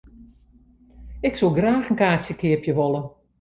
Ik soe graach in kaartsje keapje wolle.